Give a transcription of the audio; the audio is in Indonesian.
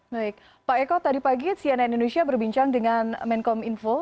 baik pak eko tadi pagi cnn indonesia berbincang dengan menkom info